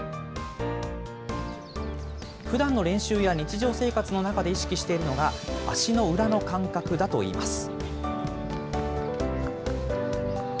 ふだんの練習や日常生活の中で意識しているのが、足の裏の感覚だといいます。